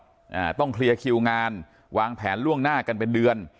อ่าต้องเคลียร์คิวงานวางแผนล่วงหน้ากันเป็นเดือน